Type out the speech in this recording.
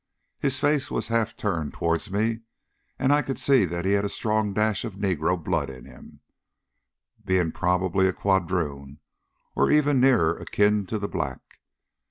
His face was turned half towards me, and I could see that he had a strong dash of negro blood in him, being probably a quadroon or even nearer akin to the black.